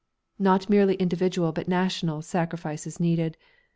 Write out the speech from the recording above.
Not merely individual but national sacrifice is needed.